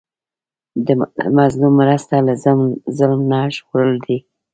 د مظلوم مرسته له ظلم نه ژغورل دي.